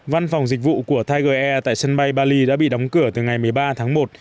văn phòng dịch vụ của thaig air tại sân bay bali đã bị đóng cửa từ ngày một mươi ba tháng một